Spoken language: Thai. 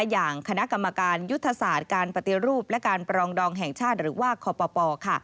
อย่างคณะกรรมการยุทธศาสตร์การปฏิรูปและการปรองดองแห่งชาติหรือว่าคป